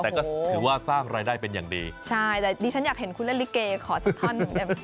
ถือว่าสร้างรายได้เป็นอย่างดีใช่แต่ดิฉันอยากเห็นคุณเล่นลิเกย์ขอสักท่อน